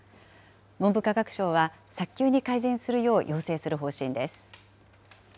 文部科学省は、早急に改善するよう要請する方針です。